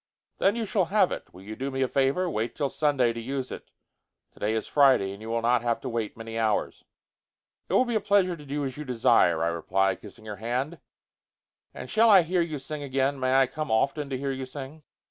"Then you shall have it. Will you do me a favor? Wait till Sunday to use it. Today is Friday, and you will not have to wait many hours." "It will be a pleasure to do as you desire," I replied, kissing her hand. "And shall I hear you sing again? May I come often to hear you sing?"